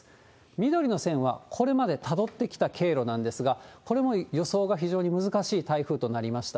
緑の線は、これまでたどってきた経路なんですが、これも予想が非常に難しい台風となりました。